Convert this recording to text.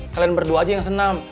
kalian berdua aja yang senam